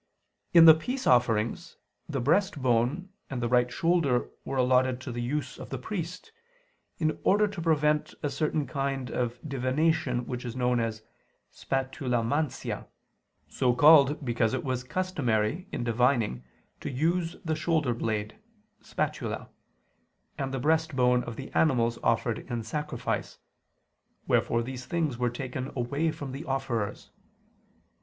In the peace offerings, the breast bone and the right shoulder were allotted to the use of the priest, in order to prevent a certain kind of divination which is known as "spatulamantia," so called because it was customary in divining to use the shoulder blade (spatula), and the breast bone of the animals offered in sacrifice; wherefore these things were taken away from the offerers.